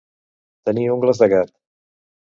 Tenir ungles de gat.